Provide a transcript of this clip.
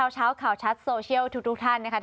เช้าข่าวชัดโซเชียลทุกท่านนะคะ